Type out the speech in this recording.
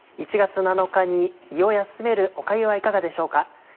１月７日に胃を休めるおかゆはいかがでしょうか？